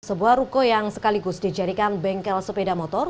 sebuah ruko yang sekaligus dijadikan bengkel sepeda motor